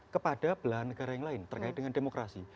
kepada belahan negara yang lain terkait dengan demokrasi